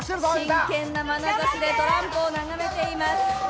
真剣なまなざしでトランプをながめています。